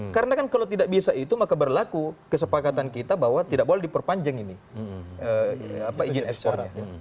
karena kalau tidak bisa itu maka berlaku kesepakatan kita bahwa tidak boleh diperpanjang ini izin ekspornya